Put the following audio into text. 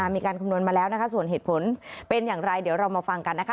มีการคำนวณมาแล้วนะคะส่วนเหตุผลเป็นอย่างไรเดี๋ยวเรามาฟังกันนะคะ